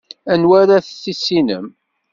Anwa ara tissinem?